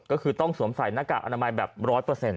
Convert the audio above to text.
ก็คือต้องสวมใส่หน้ากากอนามัยแบบร้อยเปอร์เซ็นต์